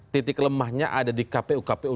titik lemahnya ada di kpu kpu